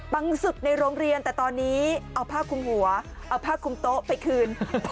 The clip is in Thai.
สุดในโรงเรียนแต่ตอนนี้เอาผ้าคุมหัวเอาผ้าคุมโต๊ะไปคืน